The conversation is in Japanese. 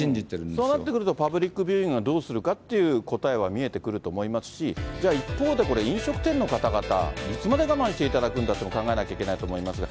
そうなってくると、パブリックビューイングをどうするかという答えは見えてくると思いますし、じゃあ一方で、これ、飲食店の方々、いつまで我慢していただくのかというのも考えないといけないと思いますが。